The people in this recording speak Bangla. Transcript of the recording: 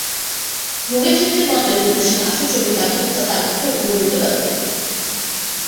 ভোগের তৃপ্তির মতোই বিদ্বেষের আশু চরিতার্থতা তার পক্ষে উগ্ররূপে দরকারি।